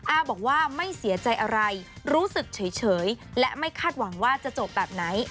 อาบอกว่าไม่เสียใจอะไรรู้สึกเฉยและไม่คาดหวังว่าจะจบแบบไหน